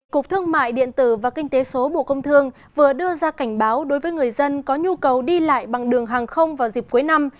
cục thương mại điện tử và kinh tế số bộ công thương vừa đưa ra cảnh báo đối với người dân có nhu cầu đi lại bằng đường hàng không vào dịp cuối năm